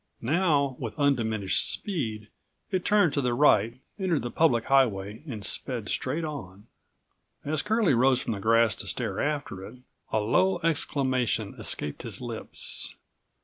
Now, with undiminished speed, it turned to the right, entered the public highway and sped straight on. As Curlie rose from the grass to stare after it, a low exclamation escaped his lips.